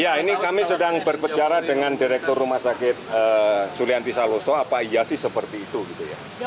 ya ini kami sedang berbicara dengan direktur rumah sakit sulianti saloso apa iya sih seperti itu gitu ya